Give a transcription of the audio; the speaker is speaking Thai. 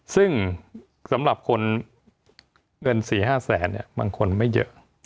ซึ่งสำหรับคนเงิน๔๕แสนบางคนไม่เยอะ